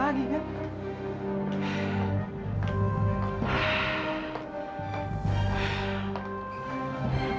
udah susah dapetin kepercayaan kamu aya